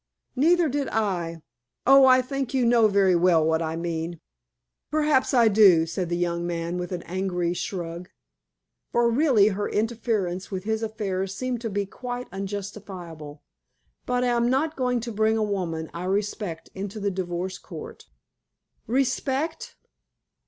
"Neither did I. Oh, I think you know very well what I mean." "Perhaps I do," said the young man with an angry shrug, for really her interference with his affairs seemed to be quite unjustifiable. "But I am not going to bring a woman I respect into the Divorce Court." "Respect?